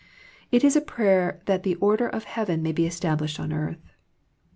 It is a prayer that the order of heaven may be established on earth.